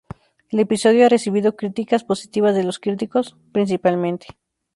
El episodio ha recibido críticas positivas de los críticos, principalmente.